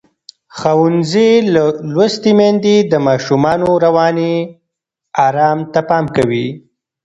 ښوونځې لوستې میندې د ماشومانو رواني آرام ته پام کوي.